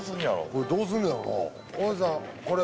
これどうすんやろな？